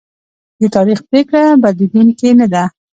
د تاریخ پرېکړه بدلېدونکې نه ده.